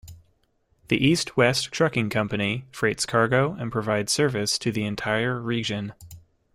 The East-West Trucking company freights cargo and provides service to the entire region.